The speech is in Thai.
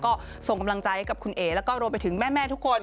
ก็ส่งกำลังใจให้กับคุณเอ๋แล้วก็รวมไปถึงแม่ทุกคน